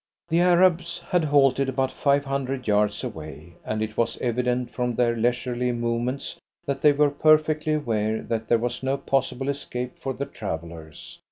The Arabs had halted about five hundred yards away, and it was evident from their leisurely movements that they were perfectly aware that there was no possible escape for the travellers.